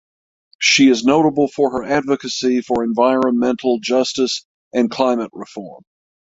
She is notable for her advocacy for environmental justice and climate reform.